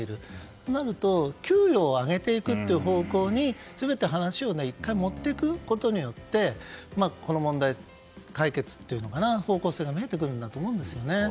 そうなると給料を上げていく方向に、話を１回持っていくことによってこの問題の解決というか方向性が見えてくると思うんですよね。